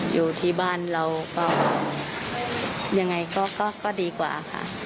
อยู่ที่บ้านเราก็ยังไงก็ดีกว่าค่ะ